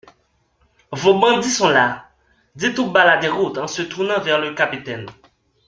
Vos bandits sont là ! dit tout bas la Déroute en se tournant vers le capitaine.